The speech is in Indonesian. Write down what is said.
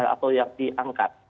atau yang diangkat